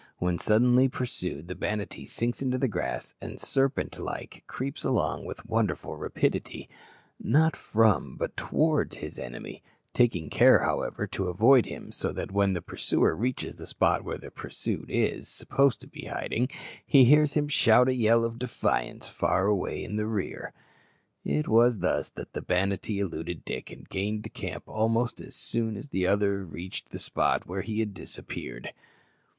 When suddenly pursued the Banattee sinks into the grass, and, serpent like, creeps along with wonderful rapidity, not from but towards his enemy, taking care, however, to avoid him, so that when the pursuer reaches the spot where the pursued is supposed to be hiding, he hears him shout a yell of defiance far away in the rear. It was thus that the Banattee eluded Dick and gained the camp almost as soon as the other reached the spot where he had disappeared.